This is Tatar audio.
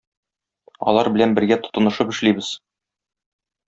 Алар белән бергә тотынышып эшлибез.